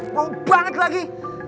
mau banget lagi